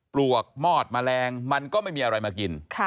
ปลวกมอดแมลงมันก็ไม่มีอะไรมากิน